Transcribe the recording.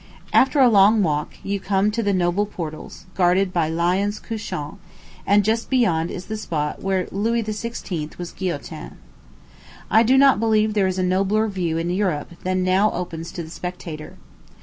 After a long walk, you come to the noble portals, guarded by lions couchant, and just beyond is the spot where Louis XVI. was guillotined. I do not believe there is a nobler view in Europe than now opens to the spectator.